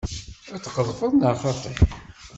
Ad tqedfeḍ neɣ xaṭi?